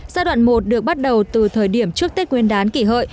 giai đoạn một được bắt đầu từ thời điểm trước tết nguyên đán kỷ hợi